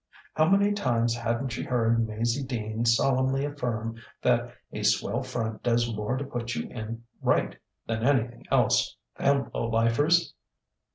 How many times hadn't she heard Maizie Dean solemnly affirm that "a swell front does more to put you in right than anything else, with them lowlifers"?